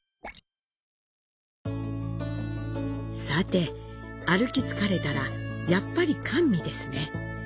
さて、歩き疲れたら、やっぱり甘味ですね。